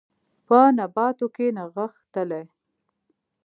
په نباتو کې نغښتلي